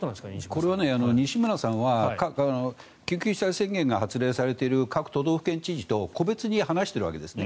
これは西村さんは緊急事態宣言が発令されている各都道府県知事と個別に話しているわけですね。